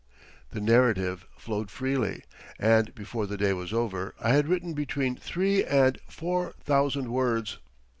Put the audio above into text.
The narrative flowed freely, and before the day was over I had written between three and four thousand words.